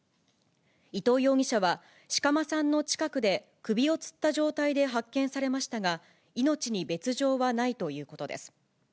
伊藤容疑者は、志鎌さんの近くで首をつった状態で発見されましたが、命に別状はないということです。